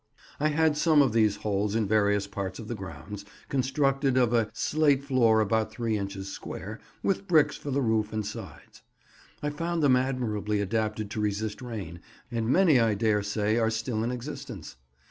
I had some of these holes in various parts of the grounds, constructed of a slate floor about three inches square, with bricks for the roof and sides. I found them admirably adapted to resist rain, and many I daresay are still in existence.